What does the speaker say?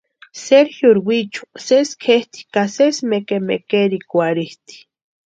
Sergiori wichu sési kʼetʼi ka sési mekemekerhikwarhitʼi.